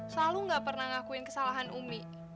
selalu gak pernah ngakuin kesalahan umi